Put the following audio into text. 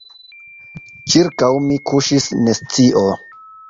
Ĉirkaŭ mi kuŝis nescio.